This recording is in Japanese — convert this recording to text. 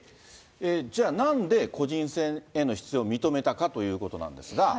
じゃあ、なんで個人戦への出場を認めたかということなんですが。